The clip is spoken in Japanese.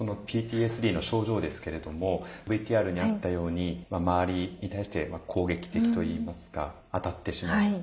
そのＰＴＳＤの症状ですけれどもＶＴＲにあったように周りに対して攻撃的といいますか当たってしまう。